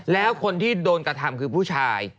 แล้วคนที่โดนกระทำคือผู้ชาย